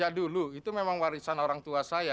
duh itu memang warisan orang tua saya